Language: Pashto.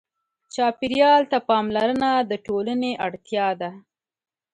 چاپېریال ته پاملرنه د ټولنې اړتیا ده.